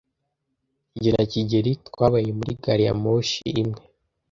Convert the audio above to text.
Jye na kigeli twabaye muri gari ya moshi imwe.